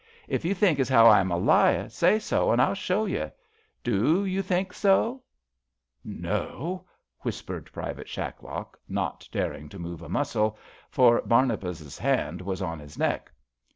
If you think as how I am a liar, say so, an' I'll show you. Do you think so? " THE LIKES O^ US 109 No/' whispered Private Shacklock, not daring to move a muscle, for Barnabas 's hand was on his neck.